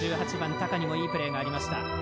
１８番、高にもいいプレーがありました。